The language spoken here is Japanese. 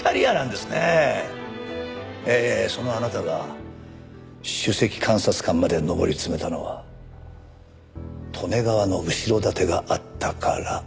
そのあなたが首席監察官まで上り詰めたのは利根川の後ろ盾があったから違いますか？